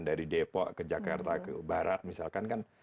dari depok ke jakarta ke barat misalkan kan